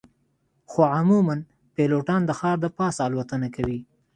خو معمولاً پیلوټان د ښار د پاسه الوتنه کوي